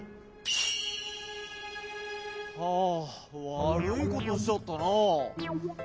はぁわるいことしちゃったなぁ。